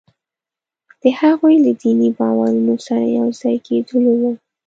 د هغوی له دیني باورونو سره یو ځای کېدلو وو.